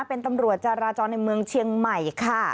เป็นตำรวจจาราจรในเมืองเชียงใหม่ค่ะ